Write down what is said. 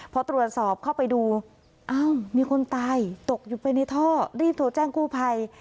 พอตรวจสอบเข้าไปดูอ้าวมีคนตายตกอยู่ไปในท่อรีบโทรแจ้งกู้ภัย